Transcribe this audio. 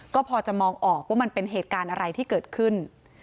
ก็พอจะมองออกว่ามันเป็นเหตุการณ์อะไรที่เกิดขึ้น